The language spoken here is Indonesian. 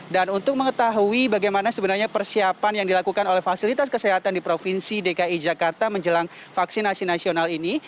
dan untuk mengetahui bagaimana sebenarnya persiapan yang dilakukan oleh fasilitas kesehatan di provinsi dki jakarta menjelang vaksinasi nasional ini